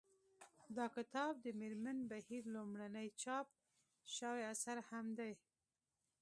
دا کتاب د مېرمن بهیر لومړنی چاپ شوی اثر هم دی